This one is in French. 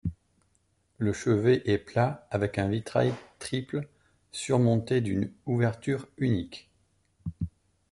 Le chevet est plat avec un vitrail triple surmonté d'une ouverture unique.